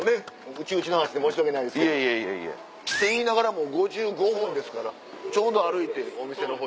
内々の話で申し訳ないですけど。って言いながらもう５５分ですからちょうど歩いてお店のほう。